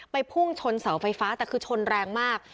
พุ่งชนเสาไฟฟ้าแต่คือชนแรงมาก